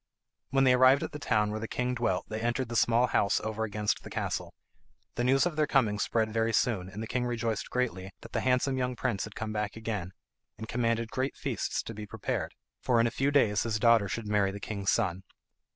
When they arrived at the town where the king dwelt they entered the small house over against the castle. The news of their coming spread very soon, and the king rejoiced greatly that the handsome young prince had come back again, and commanded great feasts to be prepared, for in a few days his daughter should marry the king's son.